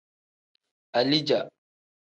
Alija.